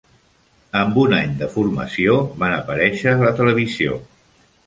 Amb un any de formació, van aparèixer a la televisió.